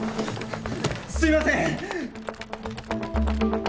すいません！